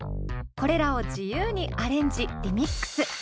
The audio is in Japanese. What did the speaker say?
これらを自由にアレンジ・リミックス。